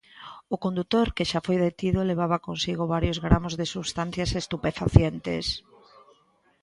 O condutor que xa foi detido levaba consigo varios gramos de substancias estupefacientes.